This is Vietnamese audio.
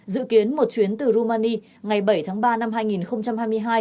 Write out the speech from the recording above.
dự kiến một chuyến từ rumani ngày bảy tháng ba năm hai nghìn hai mươi hai